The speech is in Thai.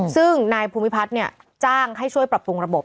ซึ่งนายภูมิพัฒน์จ้างให้ช่วยปรับปรุงระบบ